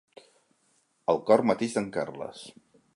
Al cor mateix d'en Carles.